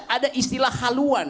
ada istilah haluan